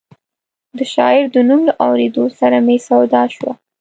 د شاعر د نوم له اورېدو سره مې سودا شوه.